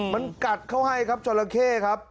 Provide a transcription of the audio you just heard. มันกัดเข้าให้ครับจราเข้ครับ